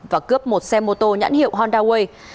và cướp một xe mô tô nhãn hiệu honda way